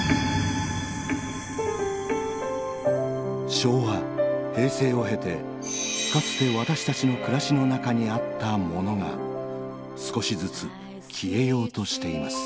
昭和平成を経てかつて私たちの暮らしの中にあったモノが少しずつ消えようとしています。